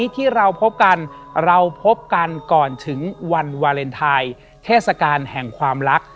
ที่เราพบกันเราพบกันก่อนถึงวันวาเลนไทยเทศกาลแห่งความรัก